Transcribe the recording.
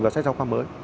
và sách giáo khoa mới